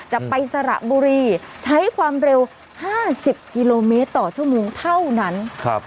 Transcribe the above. จะไปสระบุรีใช้ความเร็ว๕๐กิโลเมตรต่อชั่วโมงเท่านั้น